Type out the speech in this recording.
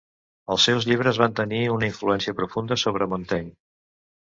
Els seus llibres van tenir una influència profunda sobre Montaigne.